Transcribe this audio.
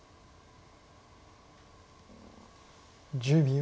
１０秒。